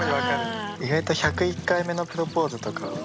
意外と「１０１回目のプロポーズ」